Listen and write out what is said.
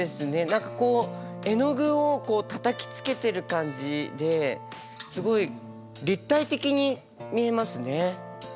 何かこう絵の具をたたきつけてる感じですごい立体的に見えますね。